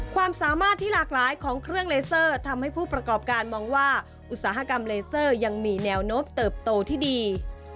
ความสามารถที่หลากหลายของเครื่องเลเซอร์ทำให้ผู้ประกอบการมองว่าอุตสาหกรรมเลเซอร์ยังมีแนวโน้มเติบโตที่ดี